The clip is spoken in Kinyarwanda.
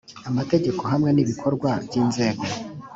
amategeko hamwe n ibikorwa by inzego